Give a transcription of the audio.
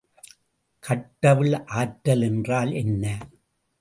கட்டவிழ் ஆற்றல் என்றால் என்ன?